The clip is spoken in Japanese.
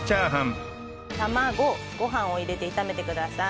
卵ご飯を入れて炒めてください。